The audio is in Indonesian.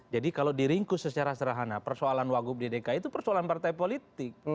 jadi kalau diringkus secara serhana persoalan wagub ddk itu persoalan partai politik